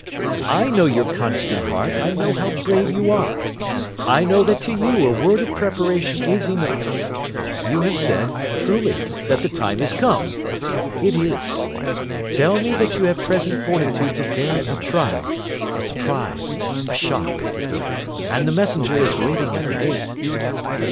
I know your constant heart, I know how brave you are, I know that to you a word of preparation is enough. You have said, truly, that the time is come. It is. Tell me that you have present fortitude to bear a trial—a surprise—a shock: and the messenger is waiting at the gate.